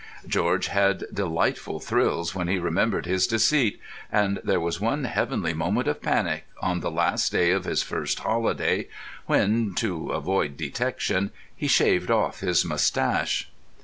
George had delightful thrills when he remembered his deceit; and there was one heavenly moment of panic, on the last day of his first holiday, when (to avoid detection) he shaved off his moustache.